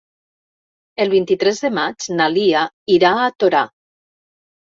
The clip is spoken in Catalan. El vint-i-tres de maig na Lia irà a Torà.